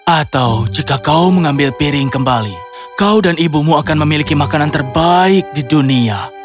atau jika kau mengambil piring kembali kau dan ibumu akan memiliki makanan terbaik di dunia